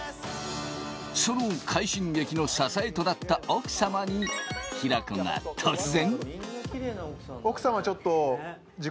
その快進撃の支えとなった奥様に平子が突然。